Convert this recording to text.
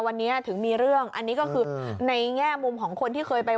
วันนี้ถึงมีเรื่องอันนี้ก็คือในแง่มุมของคนที่เคยไป